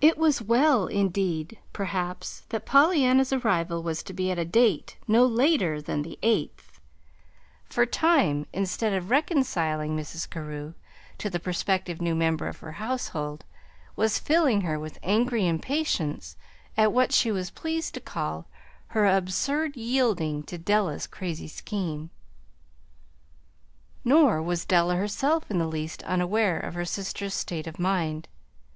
It was well, indeed, perhaps, that Pollyanna's arrival was to be at a date no later than the eighth; for time, instead of reconciling Mrs. Carew to the prospective new member of her household, was filling her with angry impatience at what she was pleased to call her "absurd yielding to Della's crazy scheme." Nor was Della herself in the least unaware of her sister's state of mind.